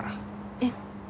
えっ？